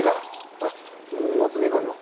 ほらもつ煮込みも。